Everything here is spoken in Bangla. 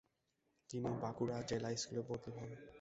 তিনি বাঁকুড়া জিলা স্কুলে বদলী হন।